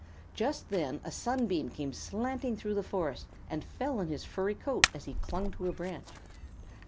Just then a sunbeam came slanting through the forest and fell on his furry coat as he clung to a branch.